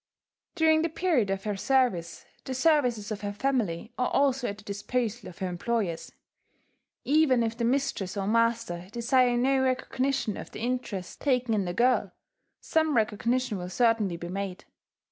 During the period of her service, the services of her family are also at the disposal of her employers. Even if the mistress or master desire no recognition of the interest taken in the girl, some recognition will certainly be made.